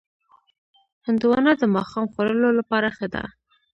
هندوانه د ماښام خوړلو لپاره ښه ده.